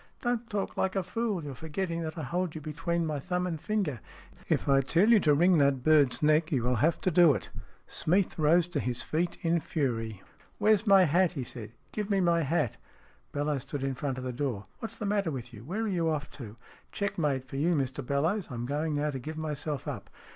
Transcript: " "Don't talk like a fool! You are forgetting that I hold you between my thumb and finger. If I tell you to wring that bird's neck you will have to do it." Smeath rose to his feet in fury. " Where's my hat ?" he said. " Give me my hat !" Bellowes stood in front of the door. " What's the matter with you ? Where are you off to?" " Checkmate for you, Mr Bellowes. I am going now to give myself up.